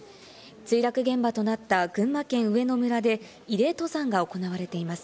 墜落現場となった群馬県上野村で慰霊登山が行われています。